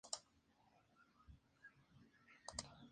Ninguno de los dos sería reemplazado en todo el período.